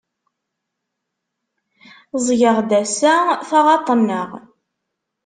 Ẓgeɣ-d ass-a taɣaṭ-nneɣ.